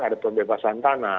ada pembebasan tanah